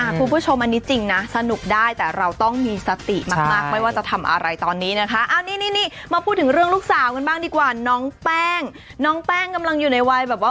งอนลูกเหมือนกันแหละ